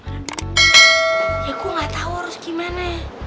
ya gue gak tau harus gimana